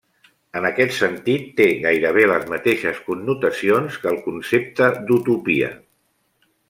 En aquest sentit té gairebé les mateixes connotacions que el concepte d'utopia.